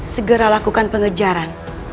segera lakukan pengejaran